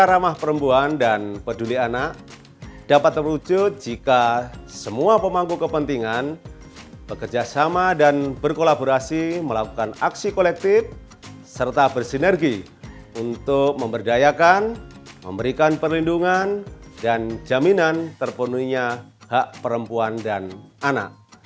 desa ramah perempuan dan peduli anak dapat terwujud jika semua pemangku kepentingan bekerja sama dan berkolaborasi melakukan aksi kolektif serta bersinergi untuk memberdayakan memberikan perlindungan dan jaminan terpenuhinya hak perempuan dan anak